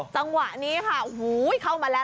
จังหวะนี้ค่ะโอ้โหเข้ามาแล้ว